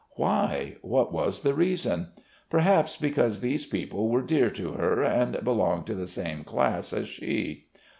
Why? What was the reason? Perhaps because these people were dear to her and belonged to the same class as she.